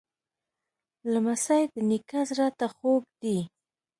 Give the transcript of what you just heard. لمسی د نیکه زړه ته خوږ دی.